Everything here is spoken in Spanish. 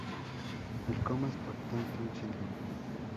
El coma es por tanto un síndrome.